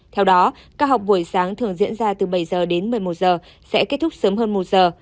theo đó các học buổi sáng thường diễn ra từ bảy giờ đến một mươi một giờ sẽ kết thúc sớm hơn một giờ